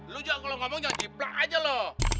lo juga kalau ngomong jangan jiplak aja lo